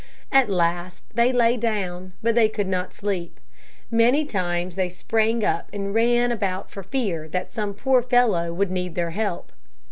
At last they lay down, but they could not sleep. Many times they sprang up and ran about for fear that some poor fellow would need their help.